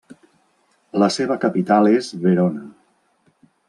La seva capital és Verona.